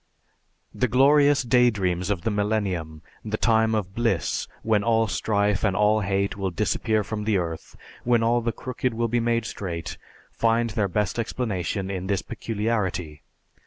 The glorious daydreams of the millennium, the time of bliss when all strife and all hate will disappear from the earth, when all the crooked will be made straight, find their best explanation in this peculiarity.